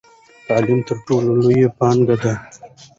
تعلیم تر ټولو لویه پانګه ده.